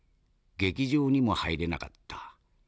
劇場にも入れなかった。